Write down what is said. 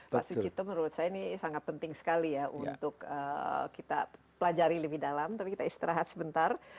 pak sucito menurut saya ini sangat penting sekali ya untuk kita pelajari lebih dalam tapi kita istirahat sebentar